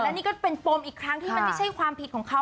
นี่ก็เป็นปมอีกครั้งที่มันไม่ใช่ความผิดของเขา